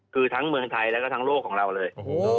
คือทั้งเมืองไทยแล้วก็ทั้งโลกของเราเลย